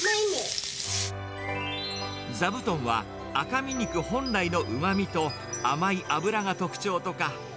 ザブトンは、赤身肉本来のうまみと、甘い脂が特徴とか。